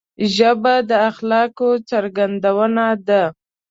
ژبه د اخلاقو څرګندونه ده